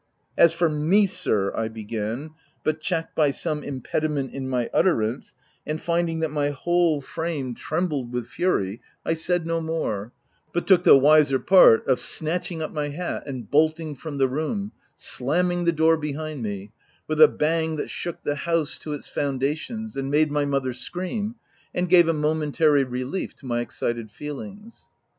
" As for me, sir," — I began, but checked by some impediment in my utterance, and finding that my whole frame trembled with fury, I said no more — but took the wiser part of snatching up my hat and bolting from the room, slamming the door behind me, with a bang that shook the house to its foundations, and made my mother scream — and gave a momentary relief to my excited feelings.